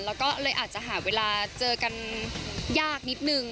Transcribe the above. แล้วก็เลยอาจจะหาเวลาเจอกันยากนิดนึง